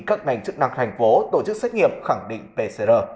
các ngành chức năng thành phố tổ chức xét nghiệm khẳng định pcr